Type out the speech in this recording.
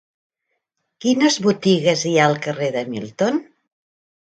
Quines botigues hi ha al carrer de Milton?